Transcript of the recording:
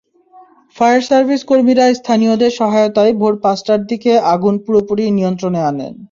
Fire service কর্মীরা স্থানীয়দের সহায়তায় ভোর পাঁচটার দিকে আগুন পুরোপুরি নিয়ন্ত্রণে আনেন।